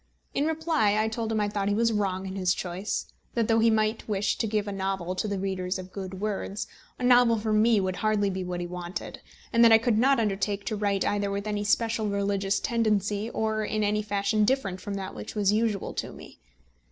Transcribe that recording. In reply I told him I thought he was wrong in his choice; that though he might wish to give a novel to the readers of Good Words, a novel from me would hardly be what he wanted, and that I could not undertake to write either with any specially religious tendency, or in any fashion different from that which was usual to me.